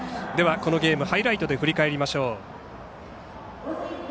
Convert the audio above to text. このゲーム、ハイライトで振り返りましょう。